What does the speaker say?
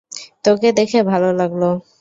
তোকে দেখে ভালো লাগলো।